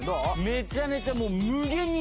めちゃめちゃもう。